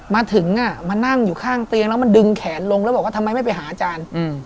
มาถึงมานั่งอยู่ข้างเตียงแล้วมันดึงแขนลงแล้วบอกว่าทำไมไม่ไปหาอาจารย์